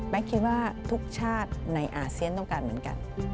คิดว่าทุกชาติในอาเซียนต้องการเหมือนกัน